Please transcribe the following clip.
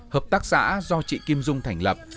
hợp tác xã do chị kim dung thành lập